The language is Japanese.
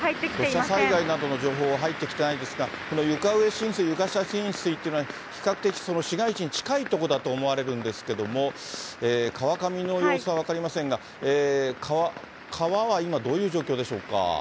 土砂災害などの情報は入ってきてないんですが、この床上浸水、床下浸水というのは、比較的市街地に近い所だと思われるんですけれども、川上の様子は分かりませんが、川は今、どういう状況でしょうか。